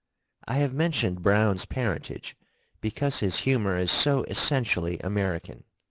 I have mentioned Browne's parentage because his humor is so essentially American.